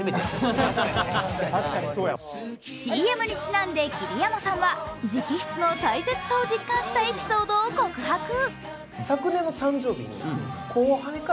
ＣＭにちなんで桐山さんは直筆の大切さを実感したエピソードを告白。